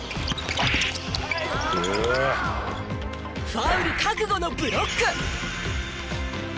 ファウル覚悟のブロック！